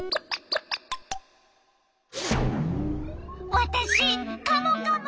わたしカモカモ！